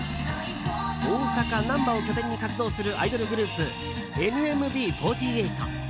大阪・難波を拠点に活動するアイドルグループ、ＮＭＢ４８。